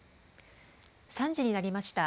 ３時になりました。